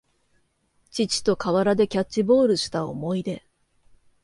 父と河原でキャッチボールした思い出